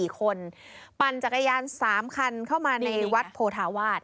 ๔คนปั่นจักรยาน๓คันเข้ามาในวัดโพธาวาส